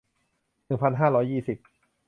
หนึ่งพันห้าร้อยยี่สิบ